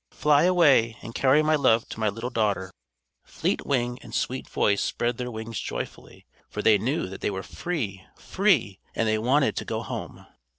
"Fly away, and carry my love to my little daughter!" Fleet Wing, and Sweet Voice spread their wings joyfully, for they knew that they were free! free! and they wanted to go home.